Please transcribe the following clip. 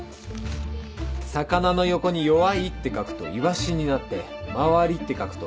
「魚」の横に「弱い」って書くとイワシになって「周り」って書くとタイになる。